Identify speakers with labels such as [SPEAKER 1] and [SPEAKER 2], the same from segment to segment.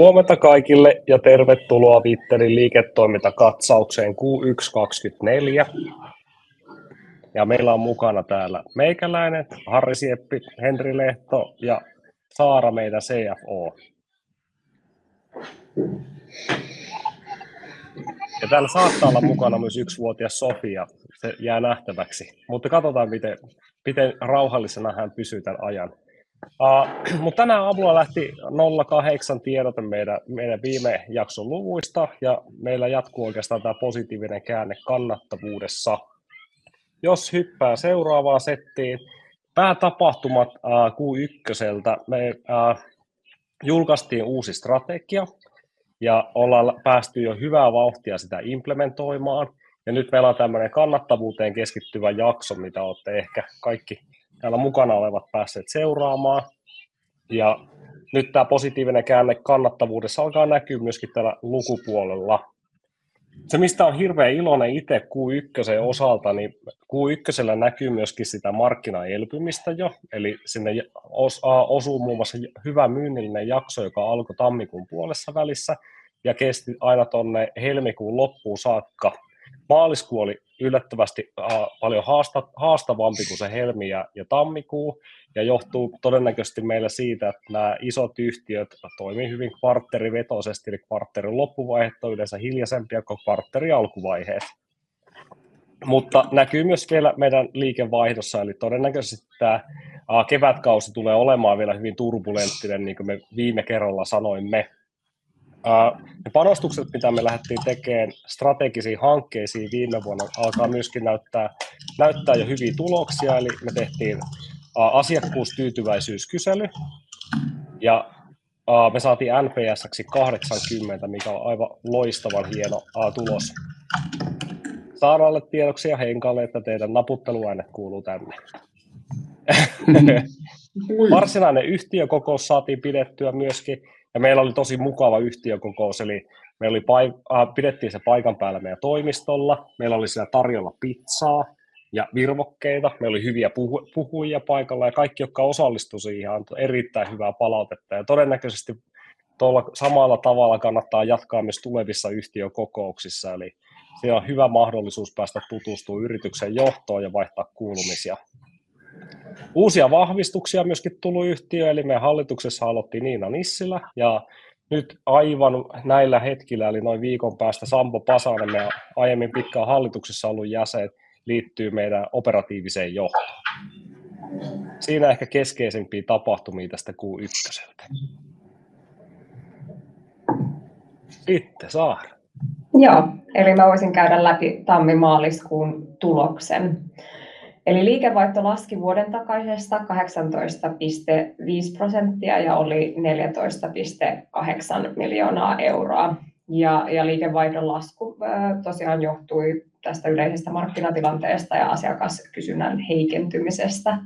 [SPEAKER 1] Huomenta kaikille ja tervetuloa Wittedin liiketoimintakatsaukseen Q1/24. Meillä on mukana täällä meikäläinen, Harri Sieppi, Henri Lehto ja Saara meiltä CFO:lta. Täällä saattaa olla mukana myös yksivuotias Sofia, se jää nähtäväksi. Mutta katsotaan, miten rauhallisena hän pysyy tämän ajan. Tänään aamulla lähti 08:00 tiedote meidän viime jakson luvuista, ja meillä jatkuu oikeastaan tämä positiivinen käänne kannattavuudessa. Jos hyppää seuraavaan settiin, päätapahtumat Q1:ltä. Me julkaistiin uusi strategia ja ollaan päästy jo hyvää vauhtia sitä implementoimaan. Nyt meillä on tämmöinen kannattavuuteen keskittyvä jakso, mitä olette ehkä kaikki täällä mukana olevat päässeet seuraamaan. Nyt tämä positiivinen käänne kannattavuudessa alkaa näkyä myös täällä lukupuolella. Se mistä olen hirveän iloinen itse Q1:n osalta, niin Q1:llä näkyy myös sitä markkinan elpymistä jo. Eli sinne osuu muun muassa hyvä myynnillinen jakso, joka alkoi tammikuun puolessa välissä ja kesti aina tuonne helmikuun loppuun saakka. Maaliskuu oli yllättävästi paljon haastavampi kuin helmikuu ja tammikuu, ja johtuu todennäköisesti meillä siitä, että nämä isot yhtiöt toimivat hyvin kvarterivetoisesti. Kvarterin loppuvaiheet ovat yleensä hiljaisempia kuin kvarterin alkuvaiheet. Mutta näkyy myös vielä meidän liikevaihdossa, todennäköisesti tämä kevätkausi tulee olemaan vielä hyvin turbulenttinen, niin kuin me viime kerralla sanoimme. Ne panostukset, mitä me lähdettiin tekemään strategisiin hankkeisiin viime vuonna, alkaa myös näyttää jo hyviä tuloksia. Me tehtiin asiakkuustyytyväisyyskysely, ja me saatiin NPS:ksi 80, mikä on aivan loistavan hieno tulos. Saaralle tiedoksi ja Henkaalle, että teidän naputteluäänet kuuluu tänne. Varsinainen yhtiökokous saatiin pidettyä myös, ja meillä oli tosi mukava yhtiökokous. Me pidettiin se paikan päällä meidän toimistolla, meillä oli siellä tarjolla pizzaa ja virvokkeita. Meillä oli hyviä puhujia paikalla, ja kaikki, jotka osallistui siihen, antoi erittäin hyvää palautetta. Todennäköisesti tuolla samalla tavalla kannattaa jatkaa myös tulevissa yhtiökokouksissa. Eli se on hyvä mahdollisuus päästä tutustumaan yrityksen johtoon ja vaihtaa kuulumisia. Uusia vahvistuksia on myös tullut yhtiöön. Meidän hallituksessa aloitti Niina Nissilä, ja nyt aivan näillä hetkillä, noin viikon päästä, Sampo Pasanen, meidän aiemmin pitkään hallituksessa ollut jäsen, liittyy meidän operatiiviseen johtoon. Siinä ehkä keskeisimpiä tapahtumia tästä Q1:ltä. Sitten Saara.
[SPEAKER 2] Joo, eli voisin käydä läpi tammi-maaliskuun tuloksen. Liikevaihto laski vuoden takaisesta 18,5% ja oli €14,8 miljoonaa. Liikevaihdon lasku johtui tästä yleisestä markkinatilanteesta ja asiakaskysynnän heikentymisestä.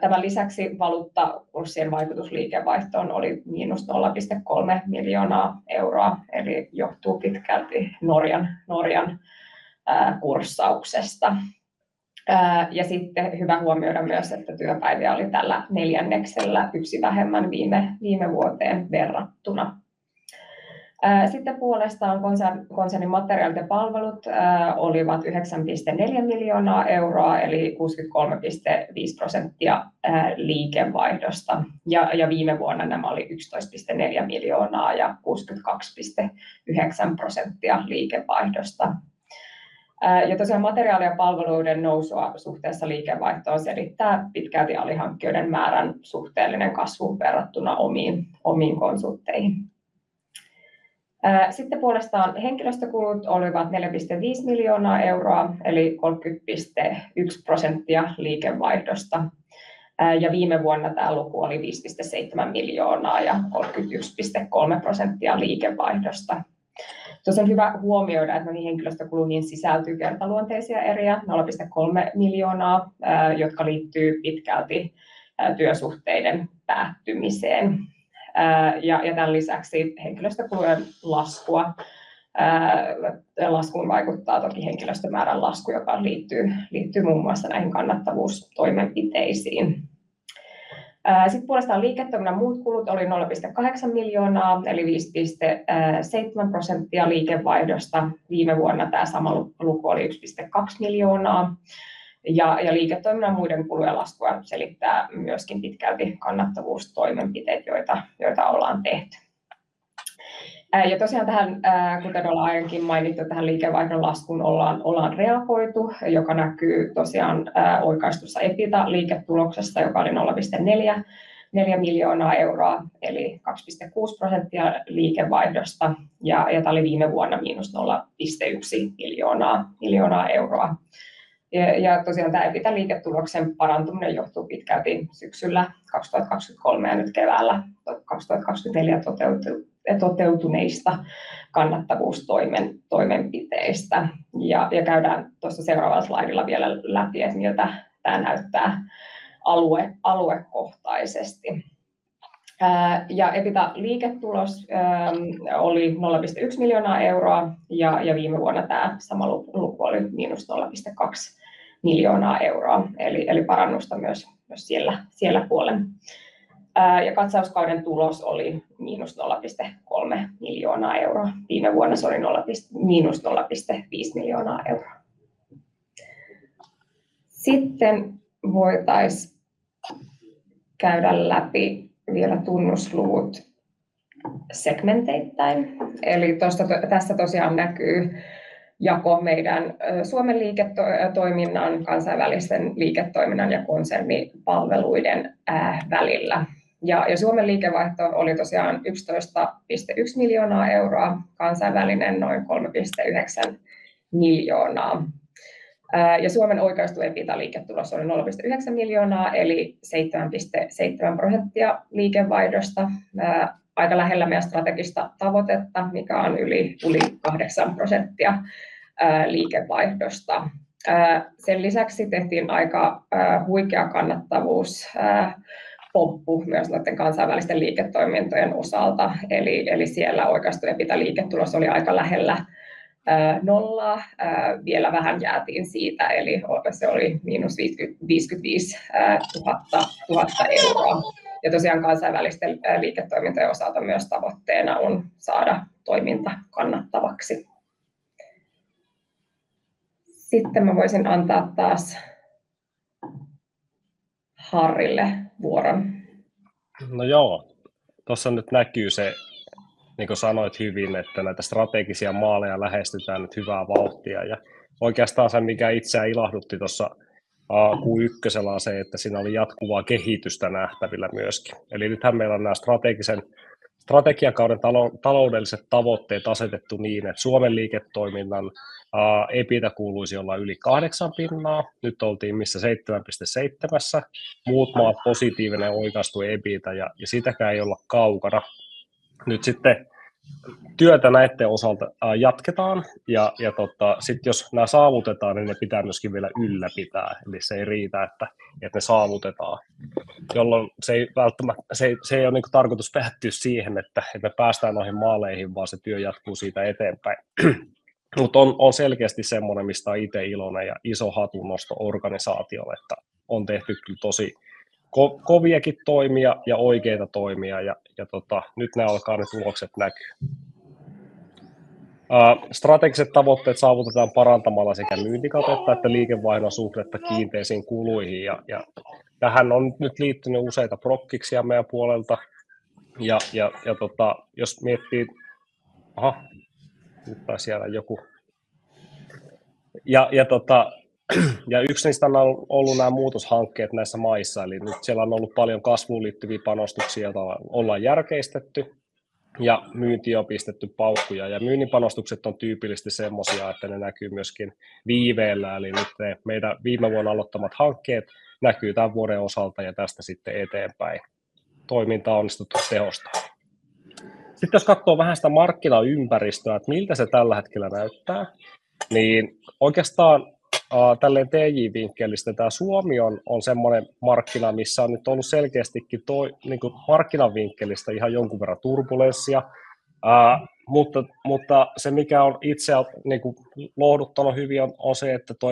[SPEAKER 2] Tämän lisäksi valuuttakurssien vaikutus liikevaihtoon oli miinus €0,3 miljoonaa, eli johtuu pitkälti Norjan kurssauksesta. Hyvä huomioida myös, että työpäiviä oli tällä neljänneksellä yksi vähemmän viime vuoteen verrattuna. Konsernin materiaalit ja palvelut olivat €9,4 miljoonaa, eli 63,5% liikevaihdosta. Viime vuonna nämä olivat €11,4 miljoonaa ja 62,9% liikevaihdosta. Materiaali- ja palveluiden nousua suhteessa liikevaihtoon selittää pitkälti alihankkijoiden määrän suhteellinen kasvu verrattuna omiin konsultteihin. Henkilöstökulut olivat €4,5 miljoonaa, eli 30,1% liikevaihdosta. Viime vuonna tämä luku oli €5,7 miljoonaa ja 31,3% liikevaihdosta. Tuossa on hyvä huomioida, että noihin henkilöstökuluihin sisältyy kertaluonteisia eriä, €0,3 miljoonaa, jotka liittyvät pitkälti työsuhteiden päättymiseen. Tämän lisäksi henkilöstökulujen laskuun vaikuttaa henkilöstömäärän lasku, joka liittyy muun muassa näihin kannattavuustoimenpiteisiin. Liiketoiminnan muut kulut olivat €0,8 miljoonaa, eli 5,7% liikevaihdosta. Viime vuonna tämä sama luku oli €1,2 miljoonaa. Liiketoiminnan muiden kulujen laskua selittää myös pitkälti kannattavuustoimenpiteet, joita on tehty. Tähän liikevaihdon laskuun on reagoitu, kuten on aiemminkin mainittu, joka näkyy oikaistussa EBITDA-liiketuloksessa, joka oli €0,4 miljoonaa, eli 2,6% liikevaihdosta. Tämä oli viime vuonna miinus €0,1 miljoonaa. EBITDA-liiketuloksen parantuminen johtuu pitkälti syksyllä 2023 ja keväällä 2024 toteutuneista kannattavuustoimenpiteistä. Käydään seuraavalla slaidilla vielä läpi, että miltä tämä näyttää aluekohtaisesti. EBITDA-liiketulos oli €0,1 miljoonaa, ja viime vuonna tämä sama luku oli miinus €0,2 miljoonaa, eli parannusta myös siellä puolella. Katsauskauden tulos oli miinus €0,3 miljoonaa. Viime vuonna se oli miinus €0,5 miljoonaa. Voitaisiin käydä läpi vielä tunnusluvut segmenteittäin. Eli tuossa tässä tosiaan näkyy jako meidän Suomen liiketoiminnan, kansainvälisten liiketoiminnan ja konsernipalveluiden välillä. Suomen liikevaihto oli tosiaan €11,1 miljoonaa, kansainvälinen noin €3,9 miljoonaa. Suomen oikaistu EBITDA-liiketulos oli €0,9 miljoonaa, eli 7,7% liikevaihdosta. Aika lähellä meidän strategista tavoitetta, mikä on yli 8% liikevaihdosta. Sen lisäksi tehtiin aika huikea kannattavuuspomppu myös noiden kansainvälisten liiketoimintojen osalta. Siellä oikaistu EBITDA-liiketulos oli aika lähellä nollaa. Vielä vähän jäätiin siitä, se oli miinus €55 000. Tosiaan kansainvälisten liiketoimintojen osalta myös tavoitteena on saada toiminta kannattavaksi. Sitten voisin antaa taas Harrille vuoron.
[SPEAKER 1] No joo. Tuossa nyt näkyy se, niin kuin sanoit hyvin, että näitä strategisia maaleja lähestytään nyt hyvää vauhtia. Oikeastaan se, mikä itseä ilahdutti tuossa Q1:llä, on se, että siinä oli jatkuvaa kehitystä nähtävillä myös. Eli nythän meillä on nämä strategiakauden taloudelliset tavoitteet asetettu niin, että Suomen liiketoiminnan EBITDA kuuluisi olla yli 8%. Nyt oltiin missä? 7,7%:ssa. Muut maat positiivinen oikaistu EBITDA, ja sitäkään ei olla kaukana. Nyt sitten työtä näiden osalta jatketaan. Sitten jos nämä saavutetaan, niin ne pitää myös vielä ylläpitää. Eli se ei riitä, että ne saavutetaan, jolloin se ei ole tarkoitus päättyä siihen, että me päästään noihin maaleihin, vaan se työ jatkuu siitä eteenpäin. Mutta on selkeästi semmoinen, mistä olen itse iloinen ja iso hatunosto organisaatiolle, että on tehty kyllä tosi koviakin toimia ja oikeita toimia. Nyt ne alkaa ne tulokset näkyä. Strategiset tavoitteet saavutetaan parantamalla sekä myyntikatetta että liikevaihdon suhdetta kiinteisiin kuluihin. Tähän on nyt liittynyt useita prosesseja meidän puolelta. Jos miettii... Aha, nyt taisi jäädä joku... Yksi niistä on ollut nämä muutoshankkeet näissä maissa. Nyt siellä on ollut paljon kasvuun liittyviä panostuksia, joita on järkeistetty ja myyntiin on pistetty paukkuja. Myynnin panostukset ovat tyypillisesti sellaisia, että ne näkyvät myös viiveellä. Nyt ne meidän viime vuonna aloittamat hankkeet näkyvät tämän vuoden osalta ja tästä sitten eteenpäin. Toimintaa on onnistuttu tehostamaan. Jos katsoo vähän sitä markkinaympäristöä, että miltä se tällä hetkellä näyttää, niin oikeastaan tällä TJ-vinkkelistä tämä Suomi on sellainen markkina, missä on nyt ollut selkeästikin markkinan vinkkelistä ihan jonkun verran turbulenssia. Se, mikä on itseä lohduttanut hyvin, on se, että tuo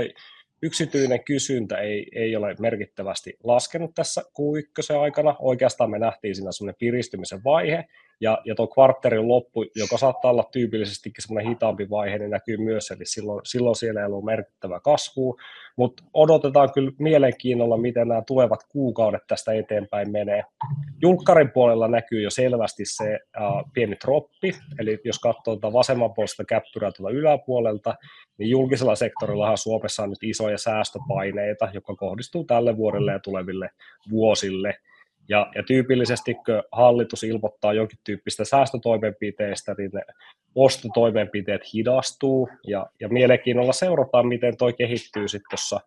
[SPEAKER 1] yksityinen kysyntä ei ole merkittävästi laskenut tässä Q1:n aikana. Oikeastaan me nähtiin siinä sellainen piristymisen vaihe. Tuo kvarterin loppu, joka saattaa olla tyypillisestikin sellainen hitaampi vaihe, niin näkyy myös. Silloin siellä ei ollut merkittävää kasvua. Mutta odotetaan kyllä mielenkiinnolla, miten nämä tulevat kuukaudet tästä eteenpäin menee. Julkisen puolella näkyy jo selvästi se pieni droppi. Jos katsoo vasemmanpuoleista käyrää tuolta yläpuolelta, niin julkisella sektorillahan Suomessa on nyt isoja säästöpaineita, jotka kohdistuvat tälle vuodelle ja tuleville vuosille. Tyypillisesti, kun hallitus ilmoittaa jonkintyyppisistä säästötoimenpiteistä, niin ne ostotoimenpiteet hidastuvat. Mielenkiinnolla seurataan, miten tuo kehittyy sitten tuossa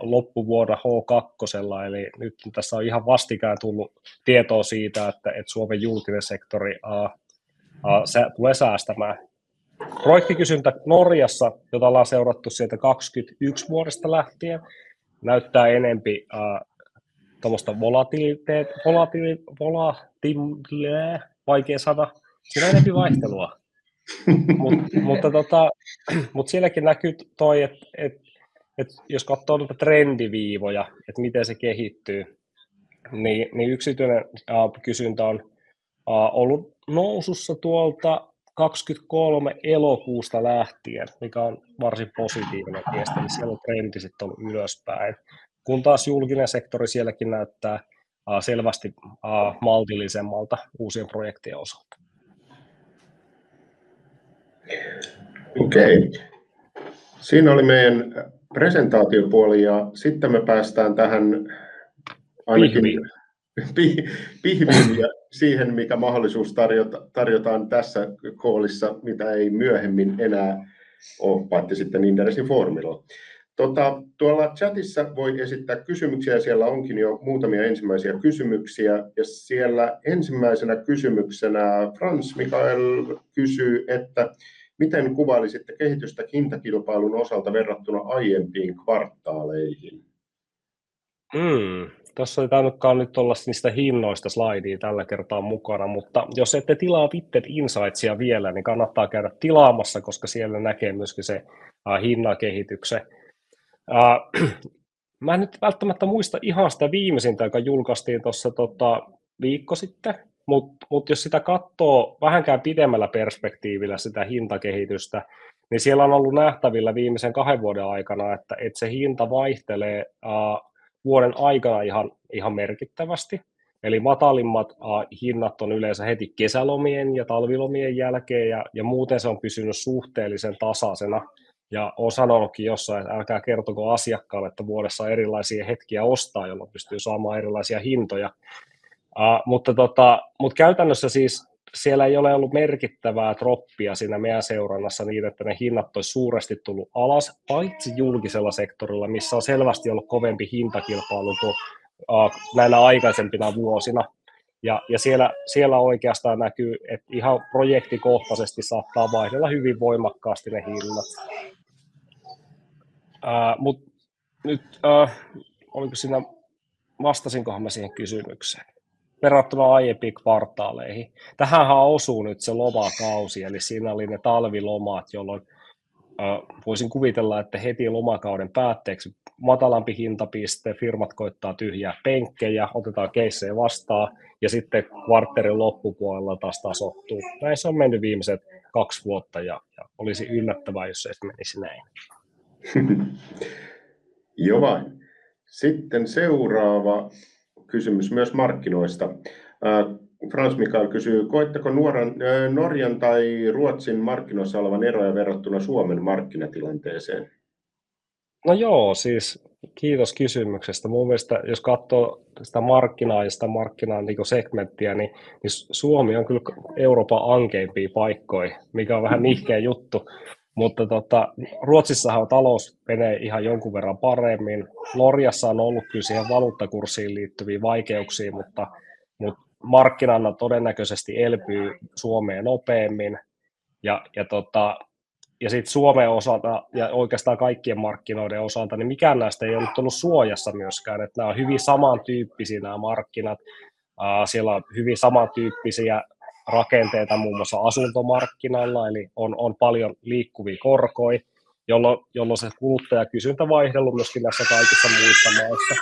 [SPEAKER 1] loppuvuonna H2:lla. Nyt tässä on ihan vastikään tullut tietoa siitä, että Suomen julkinen sektori tulee säästämään. Projektikysyntä Norjassa, jota ollaan seurattu sieltä 2021 vuodesta lähtien, näyttää enemmän tuommoista volatiliteettia. Volatiliteettia? Vaikea sana. Siinä on enemmän vaihtelua. Mutta sielläkin näkyy tuo, että jos katsoo noita trendiviivoja, että miten se kehittyy, niin yksityinen kysyntä on ollut nousussa tuolta elokuusta 2023 lähtien, mikä on varsin positiivinen viesti. Siellä on trendi sitten ollut ylöspäin. Kun taas julkinen sektori sielläkin näyttää selvästi maltillisemmalta uusien projektien osalta. Okei. Siinä oli meidän presentaatiopuoli. Sitten me päästään tähän ainakin pihviin ja siihen, mikä mahdollisuus tarjotaan tässä callissa, mitä ei myöhemmin enää ole, paitsi sitten Inderesin foorumilla. Tuolla chatissa voi esittää kysymyksiä. Siellä onkin jo muutamia ensimmäisiä kysymyksiä. Siellä ensimmäisenä kysymyksenä Frans Mikael kysyy, että miten kuvailisitte kehitystä hintakilpailun osalta verrattuna aiempiin kvartaaleihin?
[SPEAKER 3] Tuossa ei tainnutkaan nyt olla niistä hinnoista slaidia tällä kertaa mukana. Mutta jos ette tilaa Bitget Insightsia vielä, niin kannattaa käydä tilaamassa, koska siellä näkee myös sen hinnankehityksen. En nyt välttämättä muista ihan sitä viimeisintä, joka julkaistiin tuossa viikko sitten. Mutta jos sitä katsoo vähänkään pidemmällä perspektiivillä sitä hintakehitystä, niin siellä on ollut nähtävillä viimeisen kahden vuoden aikana, että se hinta vaihtelee vuoden aikana ihan merkittävästi. Eli matalimmat hinnat ovat yleensä heti kesälomien ja talvilomien jälkeen. Muuten se on pysynyt suhteellisen tasaisena. Olen sanonutkin jossain, että älkää kertoko asiakkaalle, että vuodessa on erilaisia hetkiä ostaa, jolloin pystyy saamaan erilaisia hintoja. Mutta käytännössä siis siellä ei ole ollut merkittävää droppia siinä meidän seurannassa niin, että ne hinnat olisi suuresti tullut alas, paitsi julkisella sektorilla, missä on selvästi ollut kovempi hintakilpailu kuin näinä aikaisempina vuosina. Siellä oikeastaan näkyy, että ihan projektikohtaisesti saattaa vaihdella hyvin voimakkaasti ne hinnat. Vastasinkohan mä siihen kysymykseen? Verrattuna aiempiin kvartaaleihin. Tähänhän osuu nyt se lomakausi. Eli siinä oli ne talvilomat, jolloin voisin kuvitella, että heti lomakauden päätteeksi matalampi hintapiste, firmat koettaa tyhjää penkkejä, otetaan keissejä vastaan, ja sitten kvarterin loppupuolella taas tasoittuu. Näin se on mennyt viimeiset kaksi vuotta. Olisi yllättävää, jos se menisi näin.
[SPEAKER 1] Joo vaan. Sitten seuraava kysymys myös markkinoista. Frans Mikael kysyy, koetteko Norjan tai Ruotsin markkinoissa olevan eroja verrattuna Suomen markkinatilanteeseen?
[SPEAKER 3] No joo, siis kiitos kysymyksestä. Mun mielestä, jos katsoo sitä markkinaa ja sitä markkinasegmenttiä, niin Suomi on kyllä Euroopan ankeimpia paikkoja, mikä on vähän nihkeä juttu. Mutta Ruotsissahan talous menee ihan jonkun verran paremmin. Norjassa on ollut kyllä siihen valuuttakurssiin liittyviä vaikeuksia, mutta markkinana todennäköisesti elpyy Suomea nopeammin. Sitten Suomen osalta ja oikeastaan kaikkien markkinoiden osalta, niin mikään näistä ei ole nyt ollut suojassa myöskään. Nämä on hyvin samantyyppisiä nämä markkinat. Siellä on hyvin samantyyppisiä rakenteita muun muassa asuntomarkkinalla. On paljon liikkuvia korkoja, jolloin se kuluttajakysyntä vaihdellut myös näissä kaikissa muissa maissa.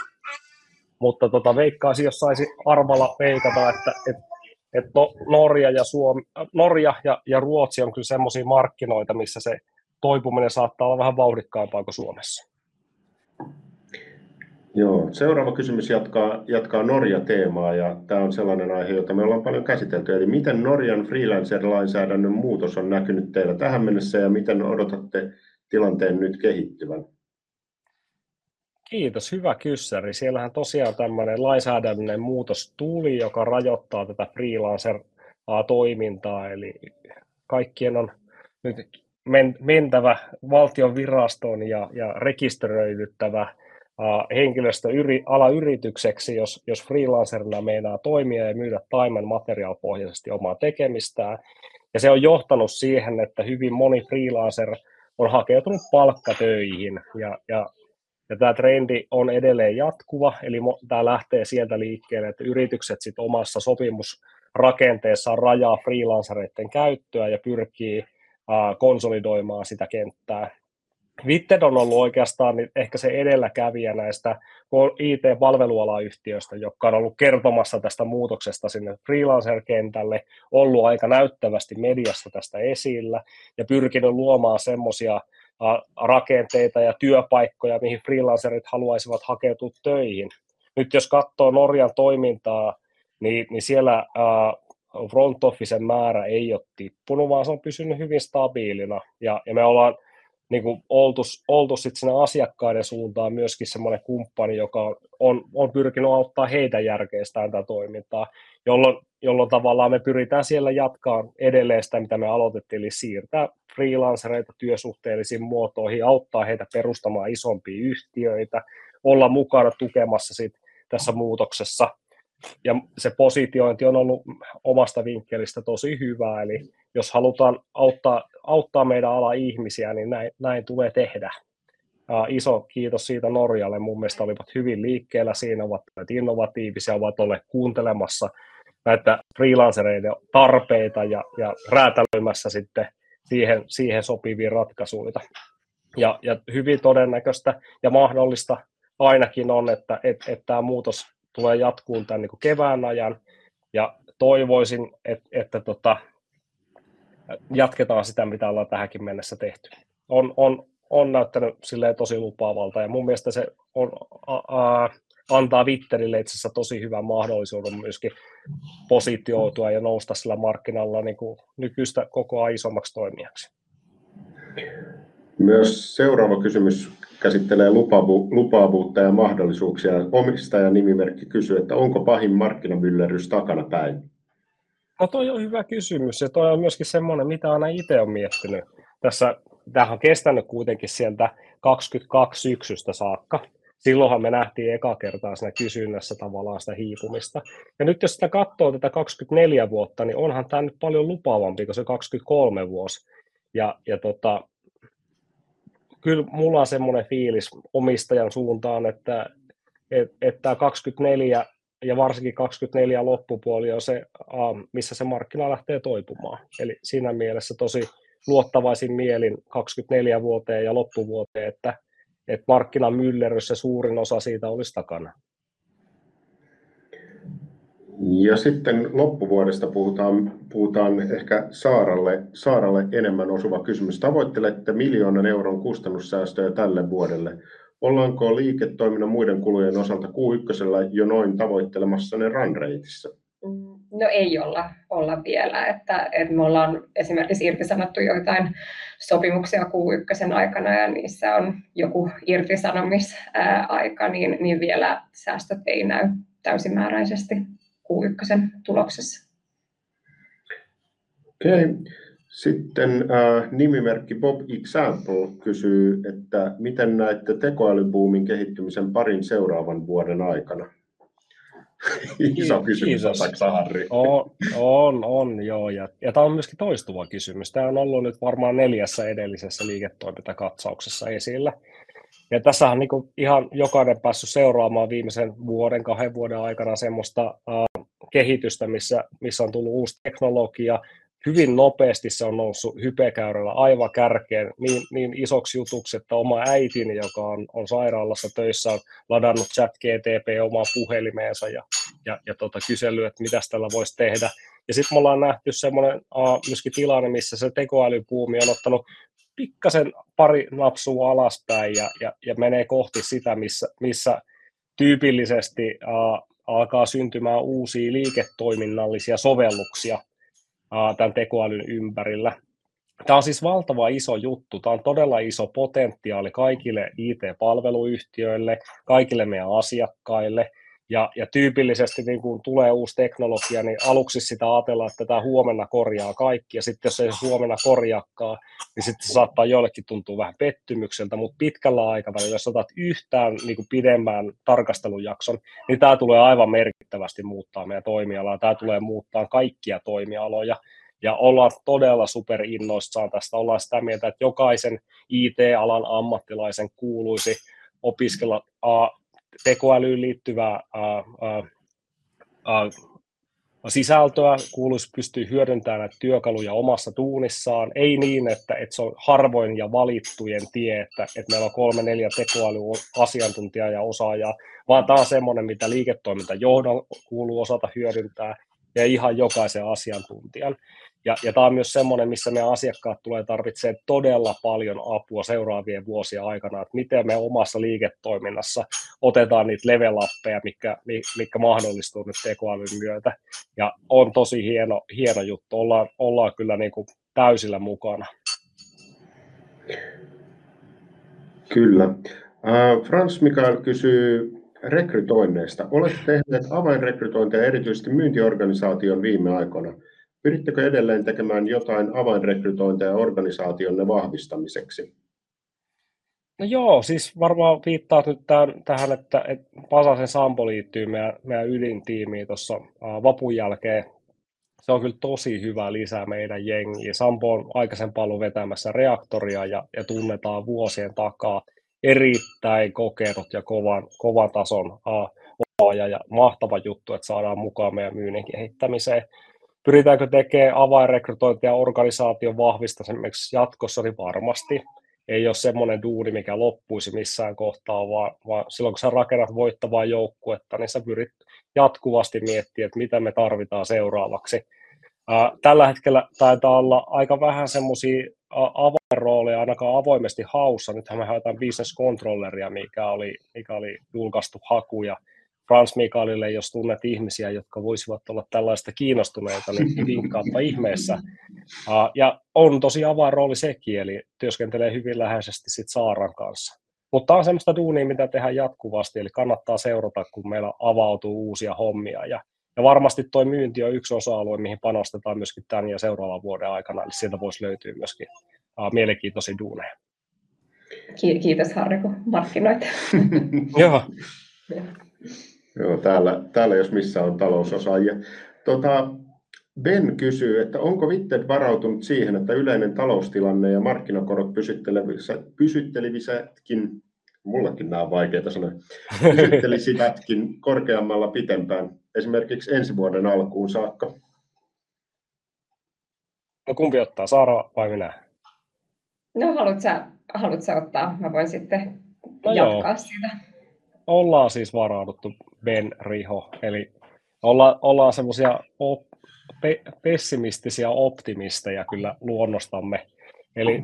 [SPEAKER 3] Mutta veikkaisin, jos saisi arvalla veikata, että Norja ja Ruotsi on kyllä semmoisia markkinoita, missä se toipuminen saattaa olla vähän vauhdikkaampaa kuin Suomessa.
[SPEAKER 1] Joo. Seuraava kysymys jatkaa Norja-teemaa. Tämä on sellainen aihe, jota me ollaan paljon käsitelty. Eli miten Norjan freelancer-lainsäädännön muutos on näkynyt teillä tähän mennessä ja miten odotatte tilanteen nyt kehittyvän?
[SPEAKER 3] Kiitos. Hyvä kysymys. Siellähän tosiaan tämmöinen lainsäädännöllinen muutos tuli, joka rajoittaa tätä freelancer-toimintaa. Eli kaikkien on nyt mentävä valtion virastoon ja rekisteröidyttävä henkilöstöalanyritykseksi, jos freelancerina meinaa toimia ja myydä taimen materiaalipohjaisesti omaa tekemistään. Se on johtanut siihen, että hyvin moni freelancer on hakeutunut palkkatöihin. Tämä trendi on edelleen jatkuva. Eli tämä lähtee sieltä liikkeelle, että yritykset sitten omassa sopimusrakenteessaan rajaavat freelancereiden käyttöä ja pyrkivät konsolidoimaan sitä kenttää. Bitted on ollut oikeastaan ehkä se edelläkävijä näistä IT-palvelualayhtiöistä, jotka ovat olleet kertomassa tästä muutoksesta sinne freelancer-kentälle. Ollut aika näyttävästi mediassa tästä esillä ja pyrkinyt luomaan semmoisia rakenteita ja työpaikkoja, mihin freelancerit haluaisivat hakeutua töihin. Nyt jos katsoo Norjan toimintaa, niin siellä front officen määrä ei ole tippunut, vaan se on pysynyt hyvin stabiilina. Me ollaan niinku oltu sitten sinne asiakkaiden suuntaan myös semmoinen kumppani, joka on pyrkinyt auttamaan heitä järkeistämään tätä toimintaa, jolloin tavallaan me pyritään siellä jatkamaan edelleen sitä, mitä me aloitettiin, eli siirtää freelancereita työsuhteellisiin muotoihin, auttaa heitä perustamaan isompia yhtiöitä, olla mukana tukemassa sitten tässä muutoksessa. Se positiointi on ollut omasta vinkkelistä tosi hyvä. Jos halutaan auttaa meidän ala-ihmisiä, niin näin tulee tehdä. Iso kiitos siitä Norjalle. Mun mielestä olivat hyvin liikkeellä siinä. Ovat olleet innovatiivisia. Ovat olleet kuuntelemassa näitä freelancereiden tarpeita ja räätälöimässä sitten siihen sopivia ratkaisuja. Hyvin todennäköistä ja mahdollista ainakin on, että tämä muutos tulee jatkumaan tämän kevään ajan. Toivoisin, että jatketaan sitä, mitä ollaan tähänkin mennessä tehty. On näyttänyt silleen tosi lupaavalta. Mun mielestä se antaa Wittedille itse asiassa tosi hyvän mahdollisuuden myös positioitua ja nousta sillä markkinalla nykyistä koko ajan isommaksi toimijaksi.
[SPEAKER 1] Myös seuraava kysymys käsittelee lupaavuutta ja mahdollisuuksia. Omistajanimimerkki kysyy, että onko pahin markkinamyllerrys takanapäin?
[SPEAKER 3] Tuo on hyvä kysymys. Tuo on myös sellainen, mitä aina itse olen miettinyt. Tämähän on kestänyt kuitenkin sieltä 2022 syksystä saakka. Silloinhan me nähtiin ekaa kertaa siinä kysynnässä tavallaan sitä hiipumista. Nyt jos sitä katsoo tätä 2024 vuotta, niin onhan tämä nyt paljon lupaavampi kuin se 2023 vuosi. Kyllä mulla on sellainen fiilis omistajan suuntaan, että tämä 2024 ja varsinkin 2024 loppupuoli on se, missä se markkina lähtee toipumaan. Eli siinä mielessä tosi luottavaisin mielin 2024 vuoteen ja loppuvuoteen, että markkinamyllerrys ja suurin osa siitä olisi takana.
[SPEAKER 1] Sitten loppuvuodesta puhutaan. Ehkä Saaralle enemmän osuva kysymys. Tavoittelette miljoonan euron kustannussäästöjä tälle vuodelle. Ollaanko liiketoiminnan muiden kulujen osalta Q1:llä jo noin tavoittelemassanne run rateissa?
[SPEAKER 2] No ei olla vielä. Me ollaan esimerkiksi irtisanottu joitain sopimuksia Q1:n aikana, ja niissä on joku irtisanomisaika, niin vielä säästöt ei näy täysimääräisesti Q1:n tuloksessa.
[SPEAKER 1] Okei. Sitten nimimerkki BobExample kysyy, että miten näette tekoälybuumin kehittymisen parin seuraavan vuoden aikana? Iso kysymys.
[SPEAKER 3] Iso kysymys, osaatko sanoa, Harri? On, on joo. Tämä on myös toistuva kysymys. Tämä on ollut nyt varmaan neljässä edellisessä liiketoimintakatsauksessa esillä. Tässähän on ihan jokainen päässyt seuraamaan viimeisen vuoden, kahden vuoden aikana semmoista kehitystä, missä on tullut uusi teknologia. Hyvin nopeasti se on noussut hypekäyrällä aivan kärkeen niin isoksi jutuksi, että oma äitini, joka on sairaalassa töissä, on ladannut ChatGPT:n omaan puhelimeensa ja kysellyt, että mitäs tällä voisi tehdä. Sitten me ollaan nähty semmoinen myös tilanne, missä se tekoälybuumi on ottanut pikkasen pari napsua alaspäin ja menee kohti sitä, missä tyypillisesti alkaa syntymään uusia liiketoiminnallisia sovelluksia tämän tekoälyn ympärillä. Tämä on siis valtavan iso juttu. Tämä on todella iso potentiaali kaikille IT-palveluyhtiöille, kaikille meidän asiakkaille. Tyypillisesti, kun tulee uusi teknologia, niin aluksi sitä ajatellaan, että tämä huomenna korjaa kaikki. Sitten, jos ei se huomenna korjaakaan, niin sitten se saattaa joillekin tuntua vähän pettymykseltä. Mutta pitkällä aikavälillä, jos otat yhtään pidemmän tarkastelujakson, niin tämä tulee aivan merkittävästi muuttamaan meidän toimialaa. Tämä tulee muuttamaan kaikkia toimialoja. Ollaan todella superinnoissaan tästä. Ollaan sitä mieltä, että jokaisen IT-alan ammattilaisen kuuluisi opiskella tekoälyyn liittyvää sisältöä, kuuluisi pystyä hyödyntämään näitä työkaluja omassa duunissaan. Ei niin, että se on harvojen ja valittujen tie, että meillä on kolme, neljä tekoälyasiantuntijaa ja osaajaa, vaan tämä on sellainen, mitä liiketoimintajohdon kuuluu osata hyödyntää ja ihan jokaisen asiantuntijan. Tämä on myös sellainen, missä meidän asiakkaat tulee tarvitsemaan todella paljon apua seuraavien vuosien aikana, että miten me omassa liiketoiminnassa otetaan niitä level upeja, mitkä mahdollistuu nyt tekoälyn myötä. On tosi hieno juttu. Ollaan kyllä täysillä mukana.
[SPEAKER 1] Kyllä. Frans Mikael kysyy rekrytoinneista. Olette tehneet avainrekrytointeja erityisesti myyntiorganisaatioon viime aikoina. Pyrittekö edelleen tekemään jotain avainrekrytointeja organisaationne vahvistamiseksi?
[SPEAKER 3] No joo, siis varmaan viittaat nyt tähän, että Pasasen Sampo liittyy meidän ydintiimiin tuossa vapun jälkeen. Se on kyllä tosi hyvä lisä meidän jengiin. Sampo on aikaisemmin ollut vetämässä Reaktoria ja tunnetaan vuosien takaa. Erittäin kokenut ja kovan tason osaaja. Mahtava juttu, että saadaan mukaan meidän myynnin kehittämiseen. Pyritäänkö tekemään avainrekrytointeja organisaation vahvistamiseksi jatkossa? Niin varmasti. Ei ole semmoinen duuni, mikä loppuisi missään kohtaa, vaan silloin, kun sä rakennat voittavaa joukkuetta, niin sä pyrit jatkuvasti miettimään, että mitä me tarvitaan seuraavaksi. Tällä hetkellä taitaa olla aika vähän semmoisia avainrooleja ainakaan avoimesti haussa. Nythän me haetaan Business Controlleria, mikä oli julkaistu haku. Frans Mikaelille, jos tunnet ihmisiä, jotka voisivat olla tällaisesta kiinnostuneita, niin vinkkaa ihmeessä. On tosi avainrooli sekin, eli työskentelee hyvin läheisesti sitten Saaran kanssa. Mutta tämä on semmoista duunia, mitä tehdään jatkuvasti. Eli kannattaa seurata, kun meillä avautuu uusia hommia. Varmasti tuo myynti on yksi osa-alue, mihin panostetaan myös tämän ja seuraavan vuoden aikana. Eli sieltä voisi löytyä myös mielenkiintoisia duuneja.
[SPEAKER 2] Kiitos, Harri, kun markkinoit.
[SPEAKER 1] Joo. Joo, täällä jos missä on talousosaajia. Ben kysyy, että onko Witted varautunut siihen, että yleinen taloustilanne ja markkinakorot pysyttelisivätkin, mullakin nämä on vaikeita sanoa, pysyttelisivätkin korkeammalla pitempään, esimerkiksi ensi vuoden alkuun saakka?
[SPEAKER 3] Kumpi ottaa, Saara vai minä?
[SPEAKER 2] No haluatko sä ottaa? Mä voin sitten jatkaa siitä.
[SPEAKER 1] Ollaan siis varauduttu, Ben, Riho. Eli ollaan semmoisia pessimistisiä optimisteja kyllä luonnostamme. Eli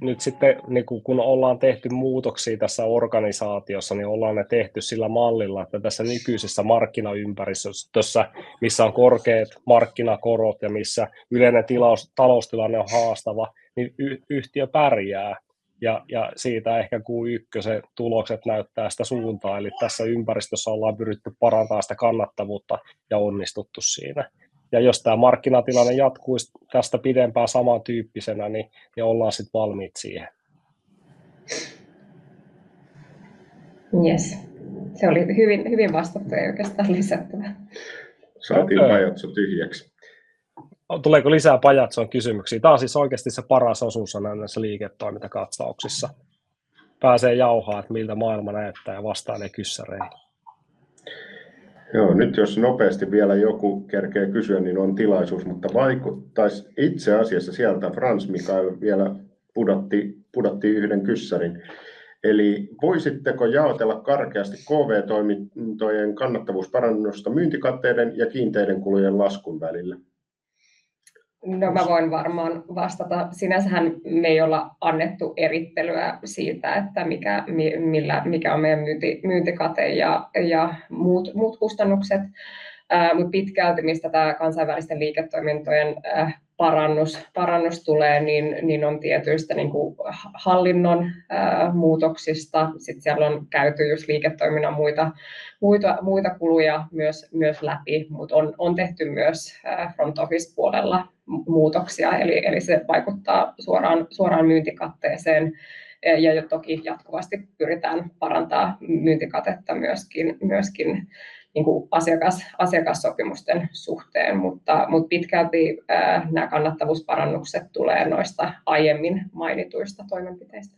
[SPEAKER 1] nyt sitten, kun ollaan tehty muutoksia tässä organisaatiossa, niin ollaan ne tehty sillä mallilla, että tässä nykyisessä markkinaympäristössä, missä on korkeat markkinakorot ja missä yleinen taloustilanne on haastava, niin yhtiö pärjää. Siitä ehkä Q1:n tulokset näyttää sitä suuntaa. Eli tässä ympäristössä ollaan pyritty parantamaan sitä kannattavuutta ja onnistuttu siinä. Jos tämä markkinatilanne jatkuisi tästä pidempään samantyyppisenä, niin ollaan sitten valmiit siihen.
[SPEAKER 2] Kyllä. Se oli hyvin vastattu ja ei oikeastaan lisättävää.
[SPEAKER 1] Saatiin Pajatso tyhjäksi.
[SPEAKER 3] Tuleeko lisää Pajatson kysymyksiä? Tämä on siis oikeasti se paras osuus aina näissä liiketoimintakatsauksissa. Pääsee jauhaa, että miltä maailma näyttää ja vastailee kysymyksiin.
[SPEAKER 1] Joo. Nyt jos nopeasti vielä joku kerkeää kysyä, niin on tilaisuus. Mutta vaikuttaisi itse asiassa sieltä, Frans Mikael vielä pudotti yhden kysymyksen. Eli voisitteko jaotella karkeasti KV-toimintojen kannattavuusparannusta myyntikateiden ja kiinteiden kulujen laskun välillä?
[SPEAKER 2] No, mä voin varmaan vastata. Sinänsähän me ei olla annettu erittelyä siitä, mikä on meidän myyntikate ja muut kustannukset. Mutta pitkälti, mistä tämä kansainvälisten liiketoimintojen parannus tulee, niin on tietyistä hallinnon muutoksista. Sitten siellä on käyty just liiketoiminnan muita kuluja myös läpi. Mutta on tehty myös front office -puolella muutoksia. Eli se vaikuttaa suoraan myyntikatteeseen. Ja toki jatkuvasti pyritään parantamaan myyntikatetta myös asiakassopimusten suhteen. Mutta pitkälti nämä kannattavuusparannukset tulee noista aiemmin mainituista toimenpiteistä.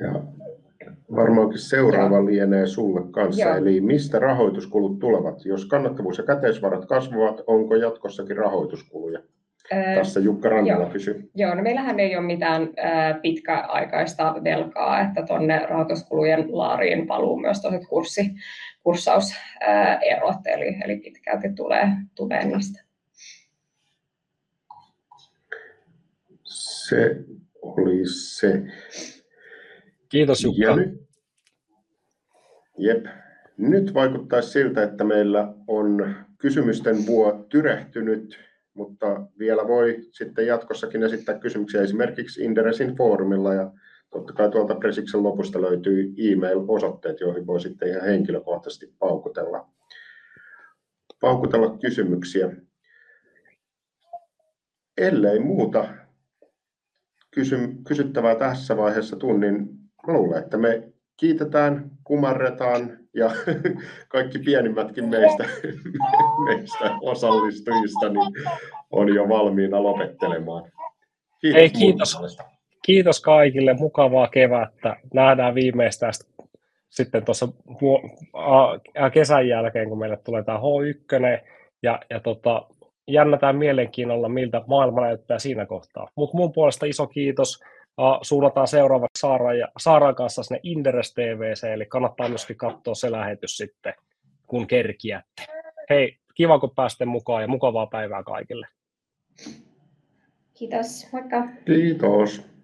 [SPEAKER 1] Joo. Varmaankin seuraava lienee sulle kanssa. Eli mistä rahoituskulut tulevat? Jos kannattavuus ja käteisvarat kasvavat, onko jatkossakin rahoituskuluja? Tässä Jukka Rantala kysyy.
[SPEAKER 2] Joo. Meillähän ei ole mitään pitkäaikaista velkaa, että tuonne rahoituskulujen laariin valuu myös tuo kurssimuutokset. Eli pitkälti tulee niistä.
[SPEAKER 1] Se oli se.
[SPEAKER 3] Kiitos, Jukka.
[SPEAKER 1] Jep. Nyt vaikuttaisi siltä, että meillä on kysymysten vuo tyrehtynyt, mutta vielä voi sitten jatkossakin esittää kysymyksiä esimerkiksi Inderesin foorumilla. Totta kai tuolta pressin lopusta löytyy sähköpostiosoitteet, joihin voi sitten ihan henkilökohtaisesti paukutella kysymyksiä. Ellei muuta kysyttävää tässä vaiheessa tule, niin luulen, että me kiitetään, kumarretaan ja kaikki pienimmätkin meistä osallistujista on jo valmiina lopettelemaan. Kiitos.
[SPEAKER 3] Hei, kiitos osallistujista. Kiitos kaikille. Mukavaa kevättä. Nähdään viimeistään sitten tuossa kesän jälkeen, kun meille tulee tämä H1. Ja jännätään mielenkiinnolla, miltä maailma näyttää siinä kohtaa. Mutta mun puolesta iso kiitos. Suunnataan seuraavaksi Saaran kanssa sinne Inderes TV:seen. Eli kannattaa myös katsoa se lähetys sitten, kun kerkiätte. Hei, kiva kun pääsitte mukaan ja mukavaa päivää kaikille.
[SPEAKER 2] Kiitos. Moikka.
[SPEAKER 1] Kiitos.